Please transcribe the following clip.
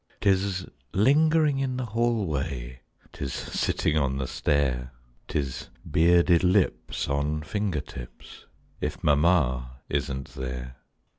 'Tis lingering in the hallway, 'Tis sitting on the stair, 'Tis bearded lips on finger tips, If mamma isn't there.